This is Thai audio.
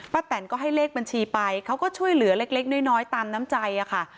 แตนก็ให้เลขบัญชีไปเขาก็ช่วยเหลือเล็กน้อยตามน้ำใจค่ะ